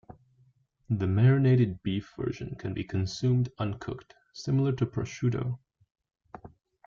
The marinated beef version can be consumed uncooked, similar to prosciutto.